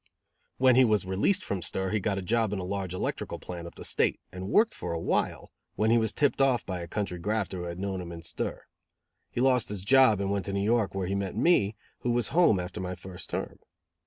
When he was released from stir he got a job in a large electrical plant up the State, and worked for a while, when he was tipped off by a country grafter who had known him in stir. He lost his job, and went to New York, where he met me, who was home after my first term.